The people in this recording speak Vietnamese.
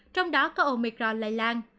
trong đó có omicron lây lan